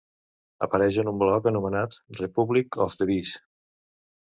Apareix en un blog anomenat Republic of the Bees